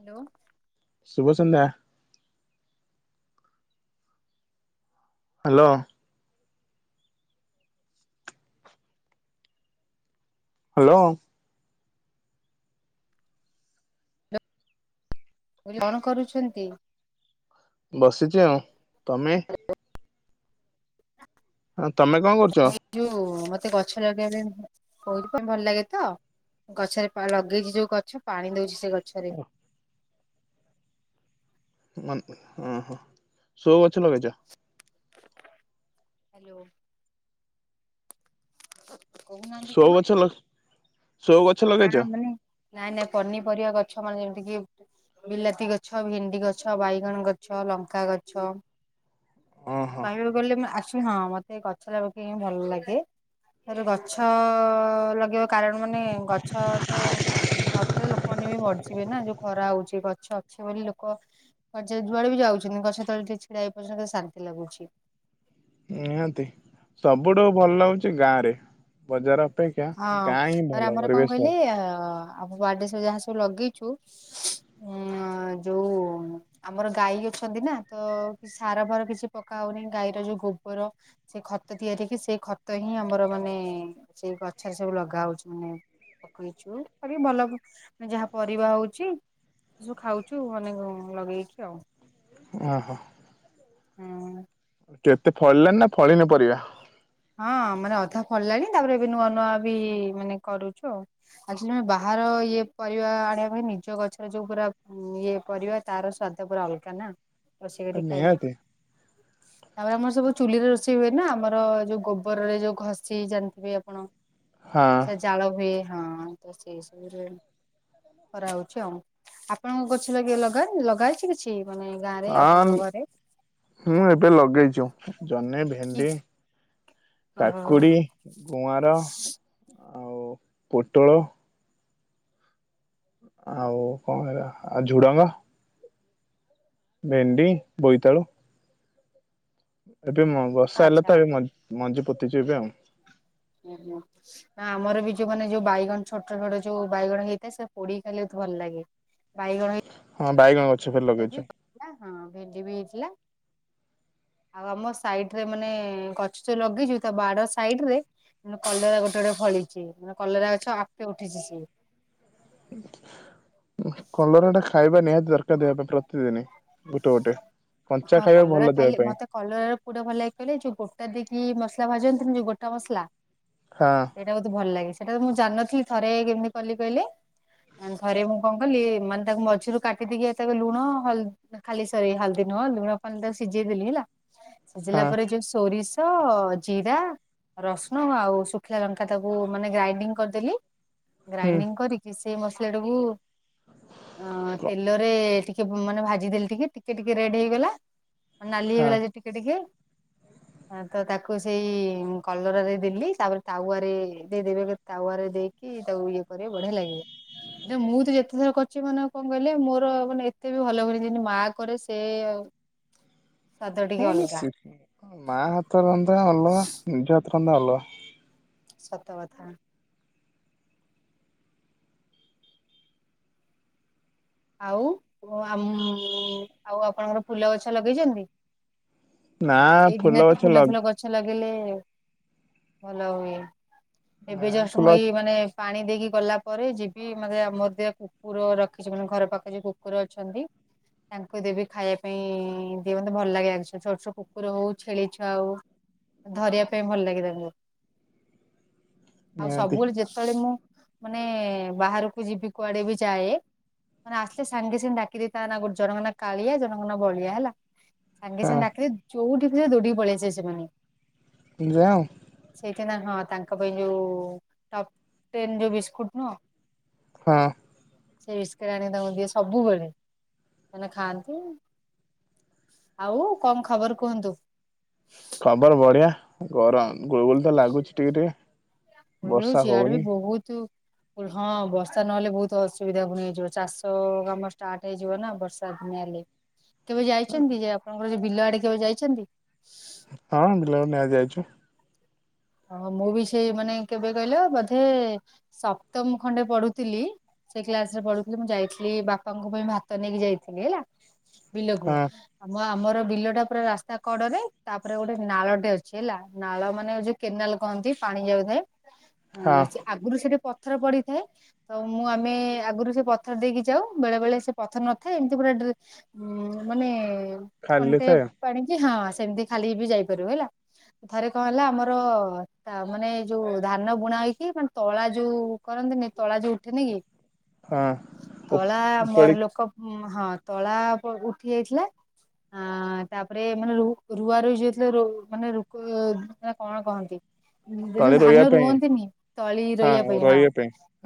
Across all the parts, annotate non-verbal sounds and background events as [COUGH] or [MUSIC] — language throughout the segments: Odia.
ହାଲୋ। ଶୁଭସନ୍ଧ୍ୟା। ହାଲୋ। ହାଲୋ। କଣ କରୁଛନ୍ତି? ବସିଛି ଆଉ ତମେ? [UNINTELLIGIBLE] ହ ତମେ କଣ କରୁଛ? ଯଉ ମତେ ଗଛ ଲଗେଇବା ପାଇଁ କର ପାଇଁ ଭଲ ଲାଗେ ତ ଗଛରେ ଲଗେଇଛି ଯୋଉ ଗଛ ପାଣି ଦଉଛି ସେ ଗଛରେ। ଓହୋ ଅ ହଁ ସବୁ ଗଛ ଲଗେଇଛ। ହାଲୋ। [UNINTELLIGIBLE] ସୋ କଣ ଗଛ ସୋ ଗଛ ନା ଲଗେଇଛ। ମାନେ ନାଇଁ ନାଇଁ ପନିପରିବା ଗଛ ମାନେ ଯେମିତି କିି ବିଲାତି ଗଛ ଭେଣ୍ଡି ଗଛ ବାଇଗଣ ଗଛ ଲଙ୍କା ଗଛ। ଓହୋ କହିବାକୁ ଗଲେ ମୁଁ ଆସିବି ହଁ ମତେ ଗଛ ଲ ପକେଇ ଭଲ ଲାଗେ। ଏରେ ଗଛ ଲଗେଇବା କାରଣ ମାନେ ଗଛ ତ ନଥିଲେ ଲୋକମାନେ ବି ମଡିଯିବେ ନା ଯୋଉ ଖରା ହଉଛି ଗଛ ଅଛି ବୋଲି ଲୋକ ପ ଯୁଆଡେ ବି ଯାଉଛନ୍ତି ଗଛ ତଳେ ଟିକେ ଛିଡା ହେଇ ପଡୁଛନ୍ତି କେତେ ଶାନ୍ତି ଲାଗୁଛି। ନିହାତି ସବୁଠୁ ଭଲ ଲାଗୁଛି ଗାଁରେ ବଜାର ଅପେକ୍ଷା ଗାଁ ହିଁ ତାପରେ ଭଲ ଆମର କଣ ପରିବେଶ କହିଲେ ଭଲ। ହଁ। ଆମ ବାଡ଼ିରେ ସବୁ ଯାହା ସବୁ ଲଗେଇଛୁ ଉଁ ଯୋଉ ଆମର ଗାଈ ଅଛନ୍ତି ନା ତ ସାର ଫାର କିଛି ପକା ହଉନି ଗାଈର ଯୋଉ ଗୋବର। ସେଇ ଖତ ତିଆରି ହେ କି ସେଇ ଖତ ହିଁ ଆମର ମାନେ ସେଇ ପଛରେ ସବୁ ଲଗା ହଉଛି ମାନେ ପକେଇଛୁ ଭଲାନ ଯାହା ପରିବା ହଉଛି। ସବୁ ଖାଉଛୁ ମାନେ ଲଗେଇକି ଆଉ। ଓହୋ। ହୁଁ କେତେ ଫଳିଲାଣି ନା ଫଳିନି ପରିବା? ହଁ ମାନେ ଅଧା ଫଳିଲାଣି ତାପରେ ଏବେ ନୂଆ ନୂଆ ବି ମାନେ କରୁଛୁ ଆଉ। ଆଚୁଲି ଆମେ ବାହାର ଇଏ ପରିବା ଆଣିବା ପାଇଁ ନିଜ ଗଛର ଯୋଉ ପୁରା ହୁଁ ଇଏ ପରିବା ତାର ସ୍ଵାଦ ପୁରା ଅଲଗା ନା। ରୋଷେଇ କରିି ଖାଇଲେ ନିହାତି ତାପରେ ଆମର ସବୁ ଚୁଲିରେ ରୋଷେଇ ହୁଏ ନା ଆମର ଯୋଉ ଗୋବରରେ ଯୋଉ ଘଷି ଜାଣିଥିବେ ଆପଣ। ହଁ। ସେ ଜାଳ ହୁଏ ହଁ ତ ସେଇ ସବୁରେ କରା ହୋଉଛି ଆଉ ଆପଣଙ୍କ ଗଛ ଲାଗେ ଲଗା [UNINTELLIGIBLE] ଲଗା ହେଇଛି କିଛି ମାନେ ଗାଁ ରେ ଆପଣଙ୍କ ଆମ୍ ଘରେ ହୁଁ ଏବେ ଲଗେଇଚୁ। ଜହ୍ନି କି ଭେଣ୍ଡି ଅ ତାକୁଡ଼ି ଗୁଆଁର। ଆଉ ପୋଟଳ। ଆଉ କଣ ବା ଆ ଝୁଡ଼ଙ୍ଗ। ଭେଣ୍ଡି ବୋଇତାଳୁ। ଏବେ ମ ବର୍ଷା ହେଲା ଆଚ୍ଛା ତ ଏବେ ମ [UNINTELLIGIBLE] ମଞ୍ଜି ପୋତିଛୁ ଏବେ ଆଉ। ଉଁ ହୁଁ। ଆମର ବି ଯୋଉ ମାନେେ ଯୋଉ ବାଇଗଣ ଛୋଟ ଛୋଟ ଯୋଉ ବାଇଗଣ ହେଇଥାଏ ସେ ପୋଡ଼ିକି ଖାଇଲେ ଭଲ ଲାଗେ। ବାଇଗଣ ହେ ହଁ ବାଇଗଣ [UNINTELLIGIBLE] [UNINTELLIGIBLE] ହଁ ଭେଣ୍ଡି ବି ହେଇଥିଲା। ଆଉ ଆମ ସାଇଡ୍ ରେ ମାନେ ଗଛ ଯୋଉ ଲଗେଇଛୁ ତା ବାଡ଼ ସାଇଡରେ [UNINTELLIGIBLE] କଲରା ଗୋଟେ ଗୋଟେ ଫଳିଛି ମାନେ କଲରା ଗଛ ଆପେ ଉଠିଛି ସିଏ। କଲରା ଟା ଖାଇବା ନିହାତି ଦରକାର ଦେହ ପାଇଁ ପ୍ରତିଦିନି। ଗୋଟେ ଗୋଟେ କଞ୍ଚା ହଁ ଖାଇବା ଭଲ ଦେହ ପାଇଁ। କଲରା ର କୋଉଟା ଭଲ ଲାଗେ କହିଲେ ଯୋଉ ଗୋଟ ଦେଇକି ମସଲା ଭାଜନ୍ତିନି ଯୋଉ ଗୋଟା ମସଲା। ଖାଁ। ଏଇଟା ବୋହୁତ ଭଲ ଲାଗେ ସେଟା ତ ମୁଁ ଜଣିନଥିଲି ଥରେ ଏଇ କେମିତି କଲି କହିଲେ ଏନ୍ ମୁଁ କଣ କଲି ମାନେ ତାକୁ ମଝିରୁ କାଟି ଦେଇକି ଏ ତାକୁ ଲୁଣ ହଲ୍ ନା ଖାଲି ସରି ହାଲଦୀ ନୁହଁ ଲୁଣ ପାଣିରେ ତାକୁ ସିଜେଇ ଦେଲି ହେଲା ହଁ ସିଜିଲା ପରେ ଯୋଉ ସ୍ ତୋରିଷ ଜିରା ରସୁଣ ଆଉ ଶୁଖିଲା ଲଙ୍କା ତାକୁ ମାନେ ଗ୍ରାଇଣ୍ଡିଙ୍ଗ କରିଦେଲି। ହୁଁ ଗ୍ରାଇଣ୍ଡିଙ୍ଗ କରିକି ସେ ମସଲା ଟାକୁ ଅଁ ତେଲରେ ଟି କେ ମାନେ ଭାଜିଦେଲି ଟିକେ ଟିକେ ଟିକେ ରେଡ୍ ହେଇଗଲା ମାନେ ନାଲି ହେଇଗଲା ଯେ ଟିକେ ଟିକେ। ହ ହଁ ତ ତାକୁ ସେଇ କଲର ରେ ଦେଲି ତାପରେ ତାୱାରେ ଦେଇଦେବେ [UNINTELLIGIBLE] ତାୱାରେ ଦେଇକି ତାକୁ ଇଏ କରିବା ବଢ଼ିଆ ଲାଗିବ। ଯେ ମୁଁ ତ ଯେତେଥର କରିଛିି ମାନେ କଣ କହିଲେ ମୋର ମାନେ ଏତେ ବି ଭଲ ହୁଏନି ଯେଏନ୍ତି ମା କରେ ସେ ଆଉ ମା ହାତ ରନ୍ଧା ଅଲଗା ନିଜ ହାତ ରନ୍ଧା ଅଲଗା। ସତ କଥା। ଆଉ ଉଁ ଆମ୍ ଆଉ ଆପଣଙ୍କର ଫୁଲ ଗଛ ଲଗେଇଛନ୍ତି? ନା ଫୁଲ ଗଛ ଲଗ୍ ଛ ଲାଗେଇଲେ ଭଲ ହୁଏ ନା ଏବେ ଯଷ୍ଟ ମୁଁ ଫୁଲ ଗଛ ଏଇ ମାନେ ପାଣି ଦେଇକି ଗଲା ପରେ ଯିବି ମାନେ ଆମର ଦି ଟା କୁକୁର ରଖିଛି ମାନେ ଘର ପାଖେ ଯୋଉ କୁକୁର ଅଛନ୍ତି ତାଙ୍କୁ ଦେବି ଖାଇବା ପାଇଁ ଦିଏ, ମୋତେ ଭଲ ଲାଗେ [UNINTELLIGIBLE] ଛୋଟ ଛୋ କୁକୁର ହଉ ଛେଳି ଛୁଆ ହଉ ଧରିଆ ପାଇଁ ଭଲ ଲାଗେ ତାଙ୍କୁ। ହ ଆଉ ସବୁବେଳେ ଯେତେବେଳେ ମୁଁ ମାନେ ବାହାରକୁ ଯିବି କୁଆଡେ ବି ଯାଏ ମାନେ ଆସେ ସାଙ୍ଗ ସାଙ୍ଗେ ଡାକି ଦେଇ ତା ନାଁ ଗୋଟ ଜରଙ୍କ ନା କାଳିଆ ଜଣଙ୍କ ନା ବଳିଆ ହେଲା। ସାଙ୍ଗେ ସାଙ୍ଗେ ହଁ ଡାକି ଦେବି ଯୋଉଠି ଥିବେ ଦୌଡିିକି ପଳେଇ ଆସିବେ ସେମାନେ। ଯା ଆଉ ସେଇଥି ନା ହଁ ତାଙ୍କ ପାଇଁ ଯୋଉ ଟପ୍ ଟେନ୍ ଯୋଉ ବିସ୍କୁଟ୍ ନୁହଁ ହଁ। ସେ ବିସ୍କିଟ୍ ଆଣିକି ତାଙ୍କୁ ଦିଏ ସବୁବେଳେ, ସେମାନେ ଖାଆନ୍ତି। ଆଉ କଣ ଖବର କୁହନ୍ତୁ? ଖବର ବଢିଆ, ଗରମ ଗୁଳୁଗୁଳି ତ ଲାଗୁଛି ଟିକେ ଟିକେ। ଗୁଳୁଗୁଳୁ ବର୍ଷା ହଉଛିି ଇଆଡେ ବି ହଉନି ବହୁତୁ [UNINTELLIGIBLE] ହଁ ବର୍ଷା ନହେଲେ ବହୁତ ଅସୁବିଧା ପୁଣି ହେଇଯିବ, ଚାଷ କାମ ଷ୍ଟାର୍ଟ ହେଇଯିବ ନା ବର୍ଷା ଦିନ ହେଲେ। ହ କେବେ ଯାଇଛନ୍ତି, ଯେ ଆପଣଙ୍କର ଯେ ବିଲ ଆଡେ କେବେ ଯାଇଛନ୍ତି? ହଁ ବିଲକୁ ନା ଯାଇଛୁ। ହଁ ମୁଁ ବି ସେଇ ମାନେ କେବେ କହିଲ ବୋଧେ ସପ୍ତମ ଖଣ୍ଡେ ପଢୁଥିଲି ସେ କ୍ଲାସ୍ ରେ ପଢୁଥିଲି, ମୁଁ ଯାଇଥିଲି ବାପାଙ୍କ ପାଇଁ ଭାତ ନେଇକି ଯାଇଥିଲି ହେଲା ବିଲକୁ। ହଁ ଆମ ଆମର ବିଲଟା ପୁରା ରାସ୍ତା କଡରେ ତାପରେ ଗୋଟେ ନାଳଟେ ଅଛି ହେଲା, ନାଳ ମାନେ ଯେ କେନାଲ କହନ୍ତି ପାଣି ଯାଉଥାଏ ହଁ ଅଁ, ସେ ଆଗରୁ ସେଠି ପଥର ପଡିଥାଏ। ତ ମୁଁ ଆମେ ଆଗରୁ ସେ ପଥର ଦେଇକି ଯାଉ ବେଳେ ବେଳେ ସେ ପଥର ନଥାଏ ଏମିତି ପୁରା ଡ୍ରେ ହଁ ମାନେ ଖାଲି ଅଣ୍ଟେ ଥାଏ ପାଣିକି ହଁ ସେମିତି ଖାଲି ବି ଯାଇପାରିବ ହେଲା, ଥରେ କଣ ହେଲା ଆମ ର ତା ମାନେ ଯୋଉ ଧାନ ବୁଣା ହେଇକି ମାନେ ତଳା ଯୋଉ କରନ୍ତିନି ତଳା ଯୋଉ ଠେ ନିକି ହଁ ତଳା ଉପାଡି ମୋର ଲୋକ ଉଁ, ହଁ ତଳା ପ-ଉଠି ଯାଇଥିଲା। ଆଁ, ତାପରେ ମାନେ ରୁ ରୁଆ ରୁଇ ଯେତେଲେ ର ମାନେ ରୁକ ନା କଣ କହନ୍ତି? ଉଁ, ଯେତେଳେ ତଳେ ରହିବା ଧାନ ପାଇଁ ରୁଅନ୍ତିନି ତଳି ରୋଇବା ପାଇଁ ହଁ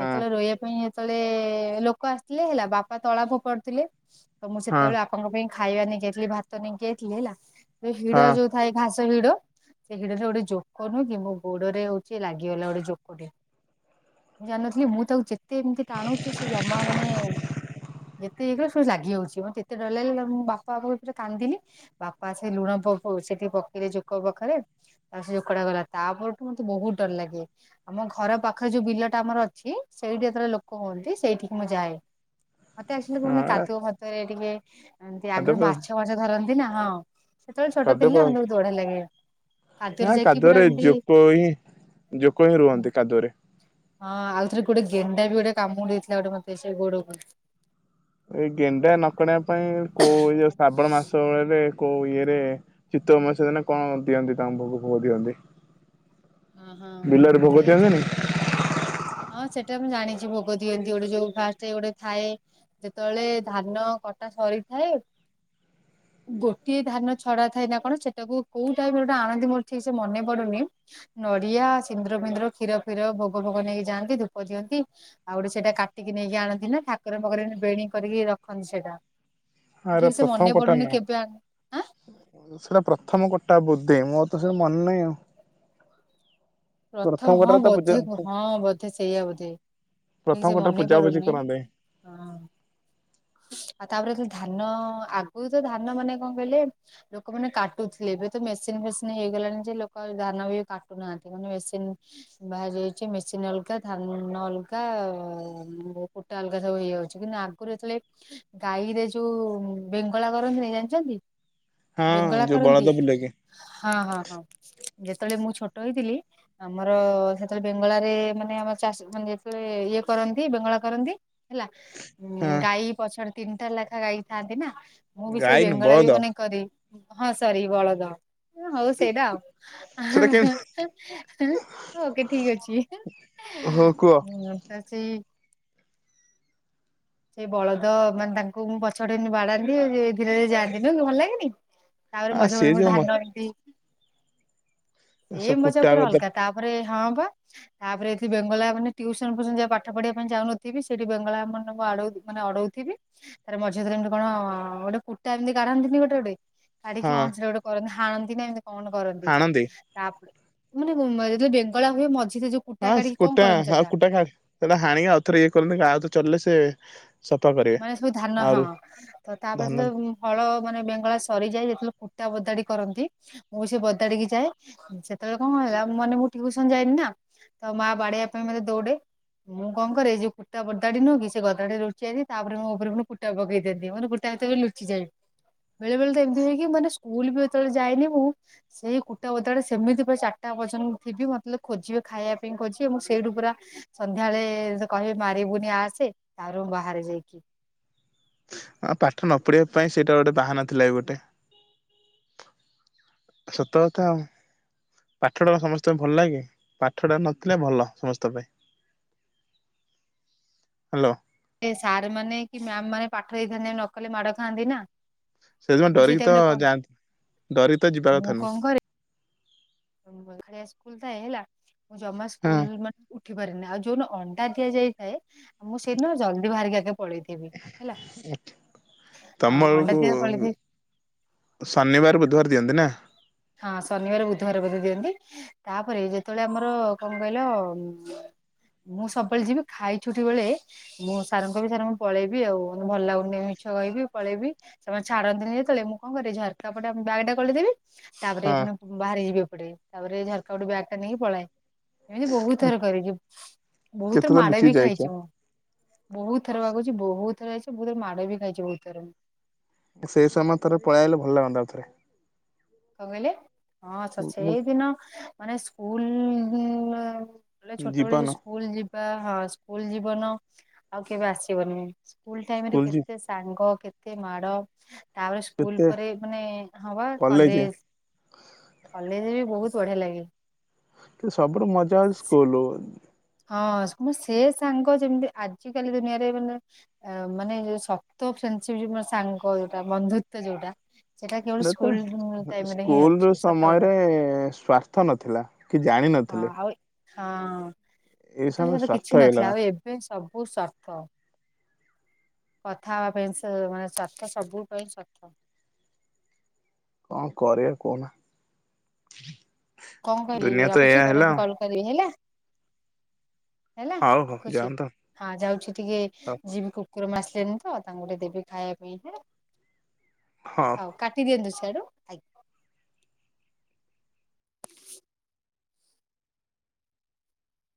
ଯେତେବେଳେ ରୋଇବା ପାଇଁ ଏ ସଳେ ଲୋକ ଆସିଥିଲେ ହେଲା ବାପା ତଳା ଫୋପାଡୁ ଥିଲେ ତ ମୁଁ ହଁ ସେତେବେଳେ ଆ ବାପାଙ୍କ ପାଇଁ ଖାଇବା ନେଇକି ଯାଇଥିଲି ଭାତ ନେଇକି ଯାଇଥିଲି ହେଲା ଯୋଉ ହିଡ ହଁ ଯୋଉ ଥାଏ ଘାସ ହିଡ ସେ ହିଡରେ ଗୋଟେ ଜୋକ ନୁହଁ କି ମୋ ଗୋଡରେ ହଉଛି ଲାଗିଗଲା ଗୋଟେ ଜୋକ ଟେ। ମୁଁ ଜାଣିନଥିଲି ମୁଁ ତାକୁ ଯେତେ ଏମିତି ଟାଣୁଚି ସିଏ ଜମା ମାନେ ଯେତେ ଇଏ କଲା ପୁରା ଲାଗି ହଉଛି ମୋତେ ଏତେ ଡର ଲାଗିଲା ମୁଁ ବାପା ବାପା କହି ପୁରା କାନ୍ଦିଲି ବାପା ସେ ଲୁଣ ପକଉ ସେଠି ପକେଇରେ ଜୋକ ପାଖରେ ତା ସେ ଜୋକଟା ଗଲା ତାପରଠୁ ମୋତେ ବହୁତ ଡର ଲାଗେ। ଆମ ଘର ପାଖରେ ଯୋଉ ବିଲ ଟା ଆମର ଅଛି ସେଇଠି ଯେତେବେଳେ ଲୋକ ହୁଅନ୍ତି ସେଇଠିକି ମୁଁ ଯାଏ। ମୋତେ ଆକ୍ଚୁଲି କୁହନି ହଁ କାଦୁଅ ଫାଦୁଅରେ ଟିକେ ଏମିତି ଆଗରୁ କାଦୁଅ ମାଛ ମାଛ ଧରନ୍ତି ନା ହଁ ସେତେବେଳେ ଛୋଟ କାଦୁଅ ଥିଲିନା [UNINTELLIGIBLE] ବହୁତ ବଢିଆ ଲାଗେ। ନା ଯାଇକି ପୁରା କାଦୁଅରେ ଏମିତି ଜୋକ ହିଁ ଜୋକ ହିଁ ରୁହନ୍ତି କାଦୁଅରେ। ହଁ ଆଉଥରେ ଗୋଟେ ଗେଣ୍ଡା ବି ଗୋଟେ କାମୁଡି ଦେଇଥିଲା ଗୋଟେ ମୋତେ ସେ ଗୋଡକୁ। ଏଇ ଗେଣ୍ଡା ନ କିଣିବା ପାଇଁ କୋଉ ଇଏ ଶ୍ରାବଣ ମାସରେ କୋଉ ଇଏରେ। ଚିତ୍ଉ ମାସ ରେ ନା କଣ ଦିଅନ୍ତି ତାଙ୍କୁ ଭୋଗ ଫୋଗ ଦିଅନ୍ତି। ହଁ ହଁ ବିଲରେ ଭୋଗ ଦିଆ କେଜାଣି ସେଟା ହୁଏନି। ତ ହଁ ସେଟା ମୁଁ ଜାଣିଛି ଭୋଗ ଦିଅନ୍ତି ଗୋଟେ ଯୋଉ ଫାର୍ଷ୍ଟ ଗୋଟେ ଥାଏ। ଯେତେବେଳେ ଧାନ କଟା ସରିଥାଏ। ହଁ ଗୋଟିଏ ଧାନ ଛଡା ଥାଏ ନା କଣ ସେଟାକୁ କୋଉ ଟାଇମ ଗୋଟେ ଆଣନ୍ତି ମୋର ଠିକ ସେ ମନେ ପଡୁନି। ନଡିଆ, ସିନ୍ଦୁର, ଫିନ୍ଦୁର, କ୍ଷୀର, ଫିର ଭୋଗ ଭୋଗ ନେଇକି ଯାଆନ୍ତି ଧୂପ ଦିଅନ୍ତି। ଆଉ ଗୋଟେ ସେଇଟା କାଟିକି ନେଇକି ଆଣନ୍ତି ନା ଠାକୁରଙ୍କ ପାଖରେ ବେଣୀ କରିକି ରଖନ୍ତି ସେଇଟା। ଆରେ ଠିକ ସେ ମନେ ପଡୁନି କେବେ ଆ ଆଁ। ଅ ସେଇଟା ପ୍ରଥମ କଟା ବୋଧେ ମୋର ତ ସେ ମନେ ନାହିଁ ଆଉ। ପ୍ରଥ ପ୍ରଥମ ହଁ କଟାରେ ତ ବୋଧେ ପୂଜା ହଁ ବୋଧେ ସେଇଆ ବୋଧେ। ଠିକ ପ୍ରଥମ ସେ କଟରେ ମନେ ପୂଜାପୂଜି ପଡୁନି କରନ୍ତେ ହଁ। ଆଉ ତାପରେ [UNINTELLIGIBLE] ଧାନ ଆଗରୁ ତ ଧାନ ମାନେ କଣ କହିଲେ। ଲୋକମାନେ କାଟୁଥିଲେ ଏବେ ତ ମେସିନ ଫେସିନ୍ ହେଇଗଲାଣି ଯେ ଲୋକ ଆଉ ଧାନ ବି କାଟୁନାହାନ୍ତି ମାନେ ମେସିନ। ବାହାରି ଯାଉଛି ମେସିନ୍ ଅଲଗା ଧାନ ଅଲଗା ବ କୁ ଟା ଅଲଗା ସବୁ ହେଇଯାଉଛି କିନ୍ତୁ ଆଗରୁ ଯେତେବେଳେ। ଗାଈରେ ଯୋଉ ବେଙ୍ଗଳା କରନ୍ତିନି ଜାଣିଛନ୍ତି। ହଁ ବେଙ୍ଗଳା ଯୋଉ କରନ୍ତି ବଳଦ ବୁଲେଇକି ହଁ ହଁ ହଁ ଯେତେବେଳେ ମୁଁ ଛୋଟ ହେଇଥିଲି। ଆମର ସେତେବେଳେ ବେଙ୍ଗଳାରେ ମାନେ ଆମର ଚାଷ ମାନେ ଯେତେବେଳେ ଇଏ କରନ୍ତି ବେଙ୍ଗଳା କରନ୍ତି। ହେଲା ହଁ ଉଁ ଗାଈ ପଛରେ ତିନିଟା ଲେଖା ଗାଈ ଥାନ୍ତି ନା। ମୁଁ ବି ସେଇ ଗାଇନୁ ବେଙ୍ଗଳା ବି ବଳଦ ମାନେ କରେ ହଁ ସରି ବଳଦ ଅଁ ହଉ ସେଇଟା। ଆ ହାଁ ସେଟା କେମିତି ହାଁ ହାଁ ହାଁ ଓକେ ଠିକ ଅଛି ହାଁ। ହଉ କୁହ ହଉଚି। ସେଇ ବଳଦ ମାନେ ତାଙ୍କୁ ମୁଁ ପଛଆଡୁ ଏମିତି ବାଡାନ୍ତି ସିଏ ଧୀରେ ଧୀରେ ଯାଆନ୍ତି ନୁହ କି ଭଲ ଲାଗେନି। ତାପରେ ଆ ମଝିରେ ସେ ମଝିରେ ଯୋଉ ପୁଣି ମ ଧାନ ଏମିତି। ଏ ମଜା କୁଟା ପୁରା କଥା ଅଲଗା ତାପରେ ହଁ ପା। ତାପରେ ଏଠି ବେଙ୍ଗଳା ମାନେ ଟିଉସନ ଫିଉସନ ଯା ପାଠ ପଢିବା ପାଇଁ ଯାଉନ ଥିବି ସେଠି ବେଙ୍ଗଳା ମା ମାନେ ମୁଁ ଆଡ଼ଉ ମାନେ ଅଡଉଥିବି। ତାପରେ ମଝିରେ ଥରେ ଏମିତି କଣ ଗୋଟେ କୁଟା ଏମିତି କାଢନ୍ତିନି ଗୋଟେ ଗୋଟେ। କାଢିକି ହଁ କଣ ସେଟା ଗୋଟେ କରନ୍ତି ହାଣନ୍ତି ନା ଏମିତି କଣ କରନ୍ତି। ହାଣନ୍ତି ତାପରେ ମାନେ [UNINTELLIGIBLE] ଯେତେବେଳେ ବେଙ୍ଗଳା ହୁଏ ମଝିରେ ଯୋଉ। କୁଟା ହଁ ସେ କାଢିକି କଣ କୁଟା କରନ୍ତି ଆଉ ସେଟା କୁଟା କାଢ଼ି ସେଟା ହାଣିକି ଆଉଥରେ ଇଏ [UNINTELLIGIBLE] ଆଉଥରେ ଚଲିଲେ ସେ ସଫା କରେ। ମାନେ ସବୁ ଧାନ ହଁ ତ ତାପରେ [UNINTELLIGIBLE] ହୁଁ। ହଳ ମାନେ ବେଙ୍ଗଳା ସରିଯାଏ ଯେତେବେଳେ କୁଟା ବଦାଡି କରନ୍ତି। ମୁଁ ସେ ବଦାଡି କି ଯାଏ ଉଁ ସେତେବେଳେ କଣ ହେଲା ମାନେ ମୁଁ ଟିଉସନ ଯାଇନି ନା। ତ ମା ବାଡେଇବା ପାଇଁ ମତେ ଦୌଡେ ମୁଁ କଣ କରେ ଏ ଯୋଉ କୁଟା ବଦାଡି ନୁହ କି ସେ ବଦାଡିରେ ଲୁଚି ଯାଇଥି ତାପରେ ମୋ ଉପରେ ପୁଣି କୁଟା ପକେଇ ଦିଅନ୍ତି ମାନେ କୁଟା ଭିତରେ ଲୁଚିଯାଉ। ବେଳେ ବେଳେ ତ ଏମିତି ହୁଏକି ମାନେ ସ୍କୁଲ ବି ଯେତେବେଳେ ଯାଏନି ମୁଁ। ସେଇ କୁଟା ବଦାଡିରେ ସେମିତି ପୁରା ଚାରିଟା ପର୍ଯ୍ୟନ୍ତ ଥିବି ମତଲେ ଖୋଜିବେ ଖାଇବା ପାଇଁ ଖୋଜିବେ ମୁଁ ସେଇଠୁ ପୁରା। ସନ୍ଧ୍ୟାବେଳେ କହିବେ ମାରିବୁନି ଆସେ ତାପରେ ମୁଁ ବାହାରେ ଯାଇକି। ଆ ପାଠ ନ ପଢ଼ିବା ପାଇଁ ସେଇଟା ଗୋଟେ ବାହାନା ଥିଲା ଗୋଟେ। ସତ କଥା। ପାଠଟା କଣ ସମସ୍ତକୁ ଭଲ ଲାଗେ? ପାଠଟା ନଥିଲେ ଭଲ ସମସ୍ତଙ୍କ ପାଇଁ। ହାଲୋ। ଏ ସାର୍ ମାନେ କି ମ୍ୟାମ୍ ମାନେ ପାଠ ଦେଇଇଥାନ୍ତି ନ କଲେ ମାଡ ଖାଆନ୍ତି ନା। ସେଦିନ ମୁଁ ସେଇ ଡରିକି ତ ଟାଇମରେ କଣ ଯାଆନ୍ତିି ଡରିକି ତ ଯିବା ମୁଁ କଥା ନୁହଁ। କଣ କରେ [INAUDIBLE] ସ୍କୁଲ ଥାଏ ହେଲା ମୁଁ ଜମା ହଁ ସ୍କୁଲ ମାନେ ଉଠି ପାରିନି, ଆଉ ଯୋଉଦିନ ଅଣ୍ଡା ଦିଆଯାଇଥାଏ, ମୁଁ ସେଇଦିନ ଜଲଦି ବାହାରିକି ଆଗେ ପଳେଇଥିବି ହେଲା, ତମ ହଁ ଅଣ୍ଡା ଦିଆ ପଳେଇଥିବି ଶନିିବାର ବୁଧବାର ଦିଇନି ନା? ହଁ ଶନିବାର ବୁଧବାର ବୋଧେ ଦିଅନ୍ତି। ତାପରେ ଯେତେବେଳେ ଆମର କଣ କହିଲ ମୁଁ ସବୁବେଳେ ଯିବି ଖାଇଛୁଟି ବେଳେ ମୁଁ ସାର୍ ଙ୍କୁ ବି ସାରଙ୍କୁ ପଳେଇବି ଆଉ ମାନେ ଭଲ ଲାଗୁନି ମିଛ କହିବି ପଳେଇବି। ସେମାନେ ଛାଡ଼ନ୍ତିନି ଯେତଳେ ମୁଁ କଣ କରେ ଝରକା ପଟେ ବ୍ୟାଗଟା ଗଳେଇଦେବି ତାପରେ ହଁ ପୁଣି ବାହାରି ଯିବି ଏପଟେ ତାପରେ ଝରକା ଗୋଟେ ବ୍ୟାଗ ଟା ନେଇକି ପଳାଏ। ଏମିତି ବହୁତ ଥର କରିଛି ବହୁତ ଥର କେତେଥର ମାଡ ଲୁଚି ବି ଯାଇଛ ଖାଇଛି ମୁଁ। ବହୁତ ଥର ପା କହୁଛି ବହୁତ ଥର ଯାଇଛି ବହୁତ ଥର ମାଡ ବି ଖାଇଛି ବହୁତ ଥର। ସେଇ ସମୟ ଥରେ ପଳେଇଆଇଲେ ଭଲ ଲାଗନ୍ତା ଆଉଥରେ। କଣ କହିଲେ ହଁ ସ ମୁଁ ସେଇଦିନ ମାନେ ସ୍କୁଲ ଉଁ ଲେ ଛୋଟବେଳେ ଯୋଉ ଜୀବନ ସ୍କୁଲ ଯିବା ହଁ ସ୍କୁଲ ଜୀବନ ଆଉ କେବେ ଆସିବନି। ସ୍କୁଲ ଟାଇମ୍ ରେ କେତେ ସାଙ୍ଗ କେତେ ମାଡ? ତାପରେ ସ୍କୁଲ କେତେ ପରେ ମାନେ ହଁ ପା କଲେଜ କଲେଜରେ ବି ବହୁତ ବଢିଆ ଲାଗେ। ତ ସବୁରୁ ମଜା ହଉଚି ସ୍କୁଲ। ହଁ ସେ ସାଙ୍ଗ ଯେମିତି ଆଜି କାଲି ଦୁନିଆରେ ମାନେ ଆ ମାନେ ଯୋଉ ସକ୍ତ ଫ୍ରେଣ୍ଡସିପ୍ ଯୋଉ ମାନେ ସାଙ୍ଗ ଯୋଉଟା ବନ୍ଧୁତ୍ବ ଯୋଉଟା। ସେଟା କେବଳ ହେତଳେ ସ୍କୁଲ ଟାଇମ ରେ ହିଁ ଅଛି ସ୍କୁଲ ସତ କଥା ସମୟରେ ସ୍ଵାର୍ଥ ନଥିଲା କି ଜାଣିନ ହଁ ଆଉ ହଁ ଏଇ ସେତଳେ ସମୟ ସେତଳେ ସ୍ଵାର୍ଥ କିଛି ହେଇଗଲା ନଥିଲା ଆଉ ଏ ବେ ସବୁ ସ୍ୱାର୍ଥ। କଥା ହବା ପାଇଁ ସେ ମାନେ ସାର୍ଥ ସବୁ ପାଇଁ ସାର୍ଥ। କଣ କରିବା କହୁନା? କଣ ଦୁନିଆ କହିଲି ତ ରଖୁଛି ଏଇଆ ପ ହେଲା [UNINTELLIGIBLE] ହେଲା ହେଲା ଆଉ ହଉ ହଉ ରଖୁଛି। ଯାଆନ୍ତୁ ହଁ ଯାଉଛି ଟିକେ ଯିଏ ହଉ ଯିବି କୁକୁରମା ଆସିଲେନି ତ ତାଙ୍କୁ ଟିକେ ଦେବି ଖାଇବା ପାଇଁ ହଁ। ହଉ କାଟି ଦିଅନ୍ତୁ ସିଆଡୁ।